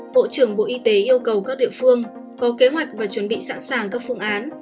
bộ trưởng bộ y tế yêu cầu các địa phương có kế hoạch và chuẩn bị sẵn sàng các phương án